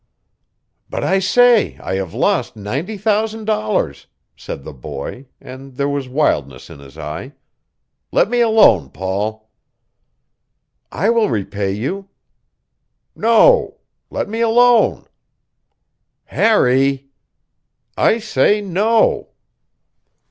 "But I say I have lost ninety thousand dollars," said the boy, and there was wildness in his eye. "Let me alone, Paul." "I will repay you." "No. Let me alone!" "Harry!" "I say no!"